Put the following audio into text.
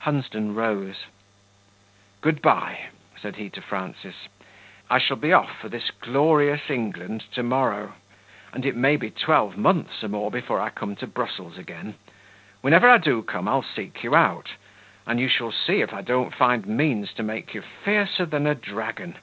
Hunsden rose. "Good bye," said he to Frances; "I shall be off for this glorious England to morrow, and it may be twelve months or more before I come to Brussels again; whenever I do come I'll seek you out, and you shall see if I don't find means to make you fiercer than a dragon.